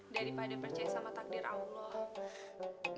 daripada percaya sama takdir allah